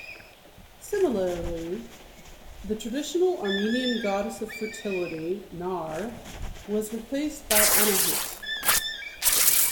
Similarly, the traditional Armenian goddess of fertility, Nar, was replaced by Anahit.